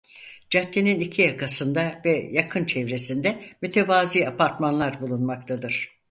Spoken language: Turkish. Caddenin iki yakasında ve yakın çevresinde mütevazı apartmanlar bulunmaktadır.